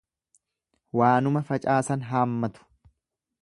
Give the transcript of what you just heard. Waanuma facaasan haammatu.